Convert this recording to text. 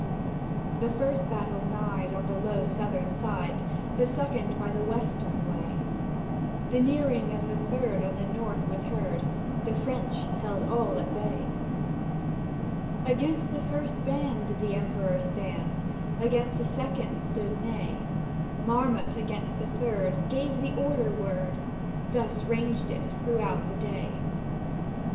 "The first battle nighed on the low Southern side; The second by the Western way; The nearing of the third on the North was heard: —The French held all at bay. "Against the first band did the Emperor stand; Against the second stood Ney; Marmont against the third gave the order word: —Thus raged it throughout the day.